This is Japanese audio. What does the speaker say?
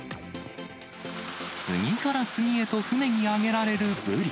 次から次へと船に揚げられるブリ。